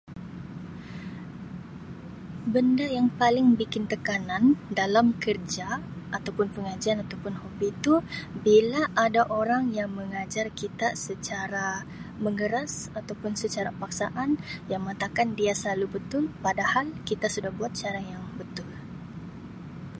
Benda yang paling bikin tekanan dalam kerja atau pun pengajian atau pun [unintelligible] bila ada orang yang mengajar kita secara mengeras atau pun secara paksaan yang mengatakan dia selalu betul padahal kita sudah buat cara yang betul.